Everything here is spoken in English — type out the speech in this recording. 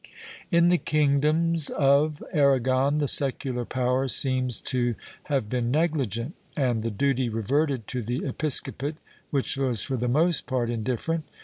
* In the kingdoms of Aragon the secular power seems to have been negligent, and the duty reverted to the episcopate, which was for the most part indifferent.